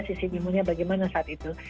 sisi bimonya bagaimana saat itu